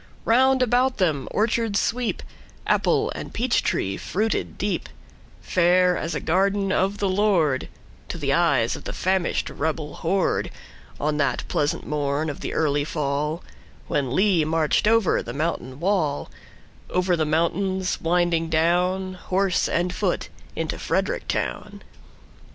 Round about them orchards sweep, Apple and peach tree fruited deep, Fair as a garden of the LordTo the eyes of the famished rebel horde, On that pleasant morn of the early fallWhen Lee marched over the mountain wall,—Over the mountains winding down, Horse and foot, into Frederick town.